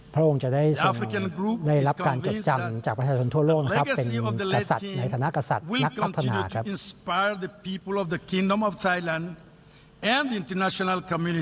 พระองค์จะได้รับการจดจำจากประชาชนทั่วโลกนะครับเป็นกษัตริย์ในฐานะกษัตริย์นักพัฒนาครับ